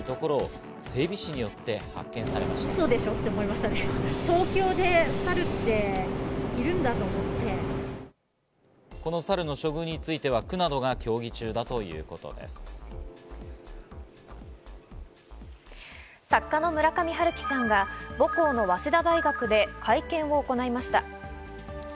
このサルの処遇については作家の村上春樹さんが母校の早稲田大学で会見を行いました。